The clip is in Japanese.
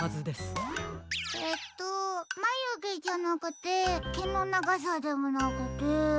えっとまゆげじゃなくてけのながさでもなくて。